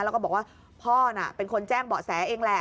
แล้วก็บอกว่าพ่อน่ะเป็นคนแจ้งเบาะแสเองแหละ